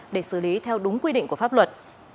để xử lý theo đúng quy định của pháp luật